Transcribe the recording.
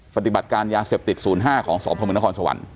ปฏิบัติการยาเสพติด๐๕ของสพมนครสวรรค